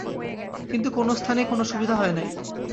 কিন্তু কোনো স্থানেই কোনো সুবিধা হয় নাই।